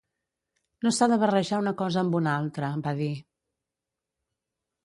No s’ha de barrejar una cosa amb una altra, va dir.